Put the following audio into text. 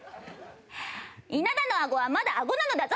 「稲田のあごはまだあごなのだぞ！」。